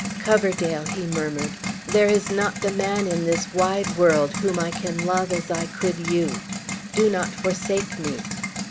"Coverdale," he murmured, "there is not the man in this wide world whom I can love as I could you. Do not forsake me!"